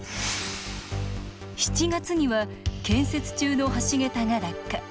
７月には、建設中の橋桁が落下。